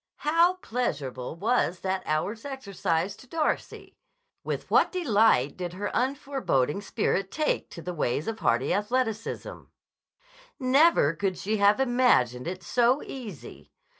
How pleasurable was that hour's exercise to Darcy! With what delight did her unforeboding spirit take to the ways of a hardy athleticism! 'Never could she have imagined it so easy.